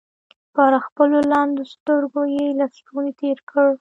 پر خپلو لندو سترګو يې لستوڼۍ تېر کړ.